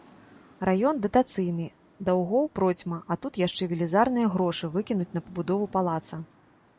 Раён датацыйны, даўгоў процьма, а тут яшчэ велізарныя грошы выкінуць на пабудову палаца.